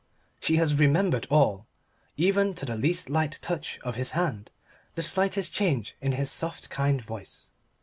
She has remembered all, even to the least light touch of his hand, the slightest change in his soft kind voice.